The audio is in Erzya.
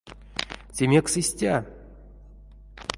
Те мекс истя?